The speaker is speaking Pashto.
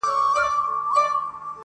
ښاغلی محمد صدیق پسرلي,